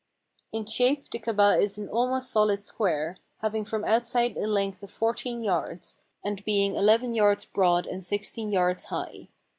In shape the Kabah is an almost solid square, having from outside a length of fourteen yards, and being eleven yards broad and sixteen yards high.